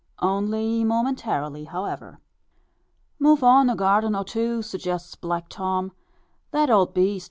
Only momentarily however. "Move on a garden or two," suggests black Tom; "that old beast has no soul."